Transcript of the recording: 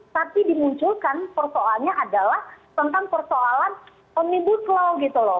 tapi dimunculkan persoalannya adalah tentang persoalan omnibus law gitu loh